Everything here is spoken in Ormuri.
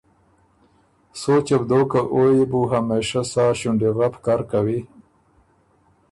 سوچه بُو دوک که او يې بُو همېشۀ سا ݭُونډیغپ کر کوی۔